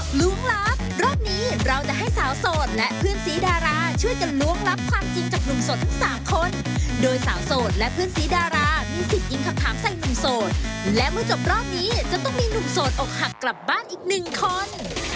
เพื่อให้จะต้องมีลูกสดออกหักกลับบ้านอีกหนึ่งคน